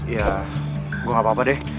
ya gue gak apa apa deh